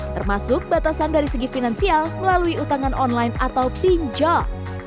termasuk batasan dari segi finansial melalui utangan online atau pinjol